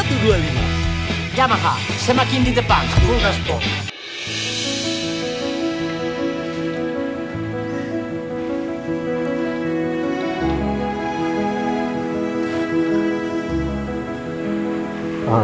terima kasih bursa